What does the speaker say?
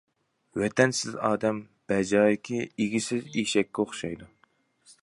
ۋەتەنسىز ئادەم بەجايىكى ئىگىسىز ئېشەككە ئوخشايدۇ.